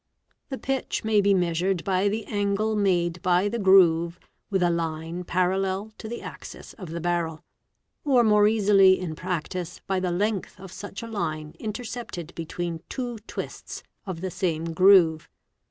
The pitch may be measured by the angle made by the groove with a line parallel to the axis of the barrel, or more easily in practice by the length of such a line intercepted between two twists of the same groove, 7.